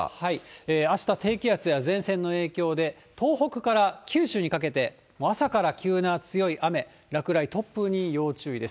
あした、低気圧や前線の影響で、東北から九州にかけて、朝から急な強い雨、落雷、突風に要注意です。